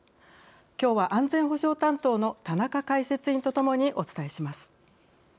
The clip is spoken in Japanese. きょうは安全保障担当の田中解説委員とともにお伝えします。